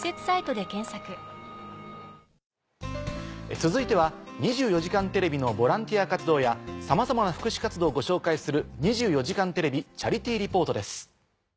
続いては『２４時間テレビ』のボランティア活動やさまざまな福祉活動をご紹介する。